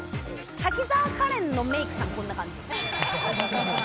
滝沢カレンのメイクさん、こんな感じ。